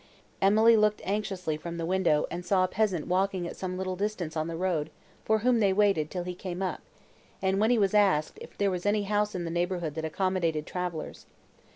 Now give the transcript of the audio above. Emily looked anxiously from the window, and saw a peasant walking at some little distance on the road, for whom they waited, till he came up, when he was asked, if there was any house in the neighbourhood that accommodated travellers.